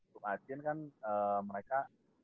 tuk ajin kan mereka